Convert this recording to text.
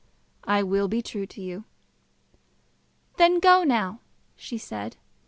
"I will be true to you." "Then go now," she said.